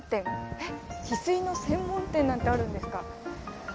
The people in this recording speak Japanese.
えっヒスイの専門店なんてあるんですか。